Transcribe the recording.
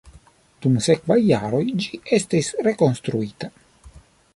Dum sekvaj jaroj ĝi estis rekonstruita.